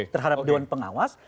terhadap dewan pengawas